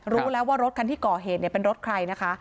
รู้แล้วว่ารถคันที่ก่อเหตุเป็นรถใครนะคะ